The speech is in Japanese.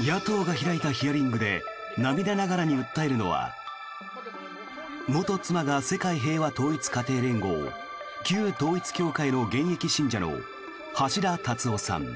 野党が開いたヒアリングで涙ながらに訴えるのは元妻が世界平和統一家庭連合旧統一教会の現役信者の橋田達夫さん。